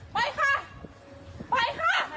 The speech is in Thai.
ไปไปค่ะไป